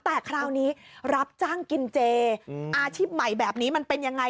แต่คราวนี้รับจ้างกินเจอาชีพใหม่แบบนี้มันเป็นยังไง